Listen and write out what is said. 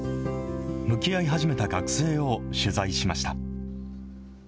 向き合い始めた学生を取材しました。